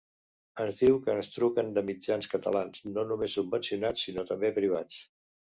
Ens diu que ens truquen de mitjans catalans, no només subvencionats, sinó també privats.